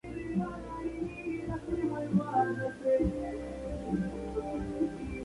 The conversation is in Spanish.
Es un político mexicano, miembro del Partido Acción Nacional, es Diputado Federal.